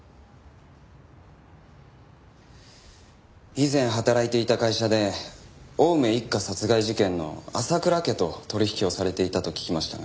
以前働いていた会社で青梅一家殺害事件の浅倉家と取引をされていたと聞きましたが。